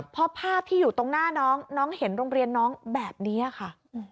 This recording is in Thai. พอภาพที่อยู่ตรงหน้าน้องน้องเห็นโรงเรียนน้องแบบนี้ค่ะ